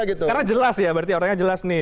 karena jelas ya berarti orangnya jelas nih